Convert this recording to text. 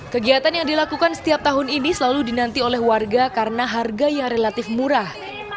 kegiatan yang dilakukan setiap tahun ini selalu dinanti oleh warga karena harga yang relatif murah